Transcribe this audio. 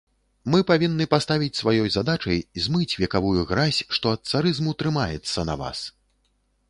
Мы павінны паставіць сваёй задачай змыць векавую гразь, што ад царызму трымаецца на вас.